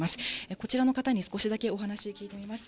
こちらの方に、少しだけお話聞いてみます。